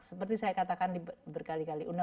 seperti saya katakan berkali kali